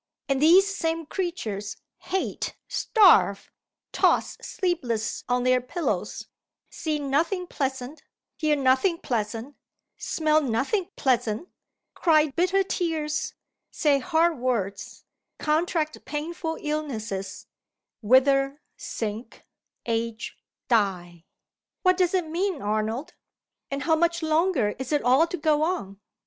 And these same creatures hate, starve, toss sleepless on their pillows, see nothing pleasant, hear nothing pleasant, smell nothing pleasant cry bitter tears, say hard words, contract painful illnesses; wither, sink, age, die! What does it mean, Arnold? And how much longer is it all to go on?"